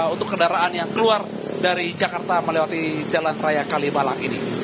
untuk kendaraan yang keluar dari jakarta melewati jalan raya kalibalang ini